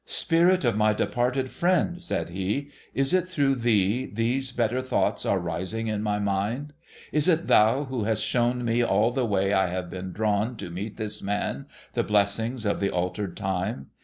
' Spirit of my departed friend,' said he, ' is it through thee these better thoughts are rising in my mind ? Is it thou who hast shown me, all the way I have been drawn to meet this man, the blessings of the altered time